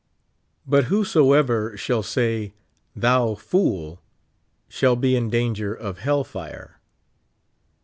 But whosoever shall sa3% thou fool, shall be in danger of hell fire."